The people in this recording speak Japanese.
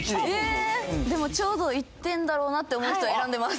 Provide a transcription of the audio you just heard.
でもちょうど１点だろうなって思う人選んでます。